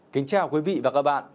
kính chào quý vị và các bạn